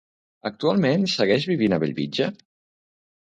Actualment segueix vivint a Bellvitge?